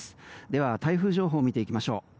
では台風情報を見ていきましょう。